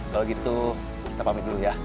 kalau gitu kita pamit dulu ya